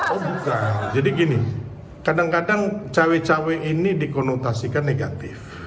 oh bukan jadi gini kadang kadang cawe cawe ini dikonotasikan negatif